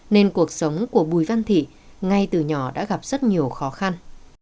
nên cuộc sống của bùi văn thị ngay từ nhỏ đã gặp rất nhiều khó khăn